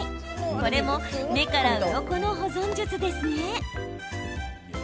これも目からうろこの保存術ですね。